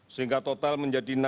sehingga total menjadikan